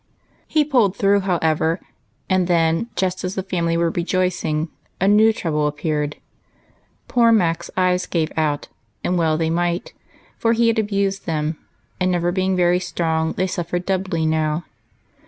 He pulled through, however ; and then, just as the family were rejoicing, a new trouble appeared whict cast a gloom over them all. POOR MAC. 119 Poor Mac's eyes gave out ; and well they might, for he had abused them, and never being very strong, they suffered doubly now.